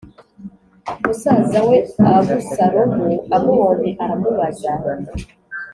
Musaza we Abusalomu amubonye aramubaza